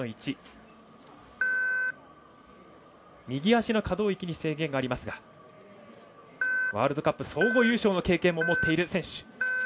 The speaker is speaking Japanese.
右足の可動域に制限がありますがワールドカップ総合優勝の経験も持っている選手。